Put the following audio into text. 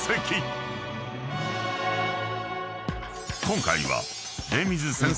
［今回は］